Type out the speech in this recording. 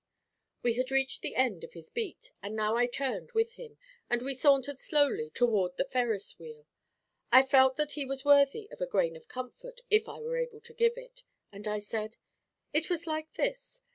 We had reached the end of his beat, and now I turned with him, and we sauntered slowly toward the Ferris Wheel. I felt that he was worthy of a grain of comfort, if I were able to give it, and I said: 'It was like this.